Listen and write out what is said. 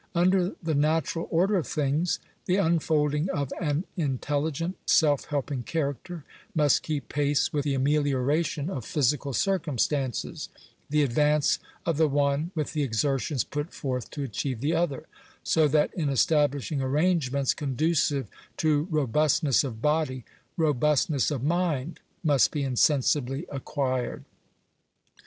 Under the natural order of things, the unfolding of an intelligent, self helping character, must keep pace with the amelioration of physical circumstances — the advance of the one with the exertions put forth to achieve the other ; so that in establishing arrangements conducive to robustness of body, robustness of mind must be insensibly acquired.